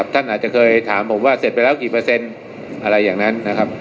ท่านอาจจะเคยถามผมว่าเสร็จไปแล้วกี่เปอร์เซ็นต์อะไรอย่างนั้นนะครับ